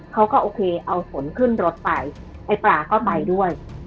เขาก็โอเคเอาฝนขึ้นรถไปไอ้ปลาก็ไปด้วย